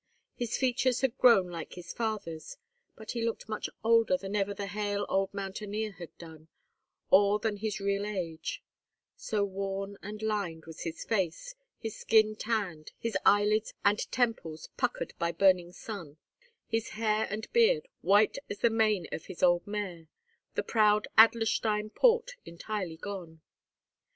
His features had grown like his father's, but he looked much older than ever the hale old mountaineer had done, or than his real age; so worn and lined was his face, his skin tanned, his eyelids and temples puckered by burning sun, his hair and beard white as the inane of his old mare, the proud Adlerstein port entirely gone.